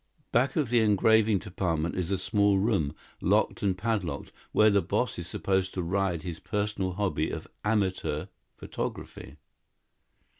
Back of the engraving department is a small room, locked and padlocked, where the boss is supposed to ride his personal hobby of amateur photography.